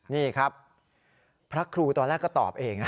นี่ครับพระครูตอนแรกก็ตอบเอง